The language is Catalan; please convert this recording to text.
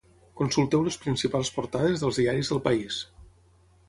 Consulteu les principals portades dels diaris del país.